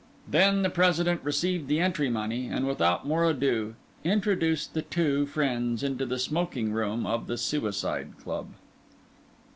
Then the President received the entry money; and without more ado, introduced the two friends into the smoking room of the Suicide Club.